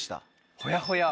ほやほや。